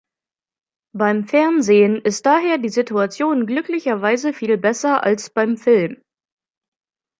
Beim Fernsehen ist daher die Situation glücklicherweise viel besser als beim Film.